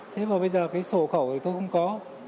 thế mà bây giờ cái sổ khẩu thì tôi cũng có